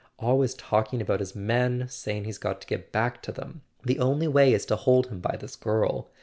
Always talking about his men, saying he's got to get back to them. The only way is to hold him by this girl.